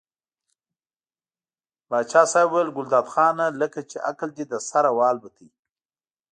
پاچا صاحب وویل ګلداد خانه لکه چې عقل دې له سره والوت.